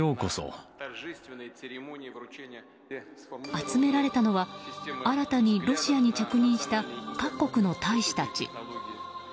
集められたのは新たにロシアに着任した各国の大使たち。